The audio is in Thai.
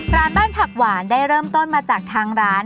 ร้านบ้านผักหวานได้เริ่มต้นมาจากทางร้าน